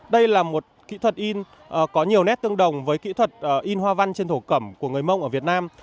đây là một kỹ thuật in có nhiều nét tương đồng với kỹ thuật in hoa văn trên thổ cẩm của người mông ở việt nam